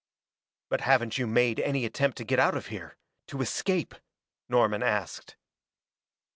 "But haven't you made any attempt to get out of here to escape?" Norman asked.